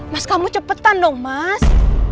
mas kamu cepetan dong mas